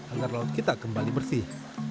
agar laut kita kembali bersih